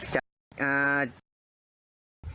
จากอ่า